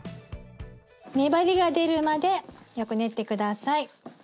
粘りが出るまでよく練って下さい。